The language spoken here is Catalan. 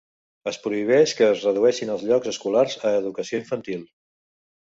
Es prohibeix que es redueixin els llocs escolars a educació infantil.